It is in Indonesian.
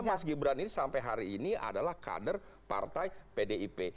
karena mas gibran ini sampai hari ini adalah kader partai pdip